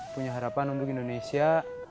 punya harapan untuk indonesia